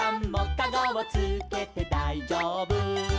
「かごをつけてだいじょうぶ」